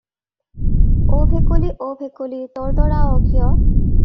“অ’ ভেকুলী অ’ভেকুলী টোৰ্টোৰাৱ কিয়?”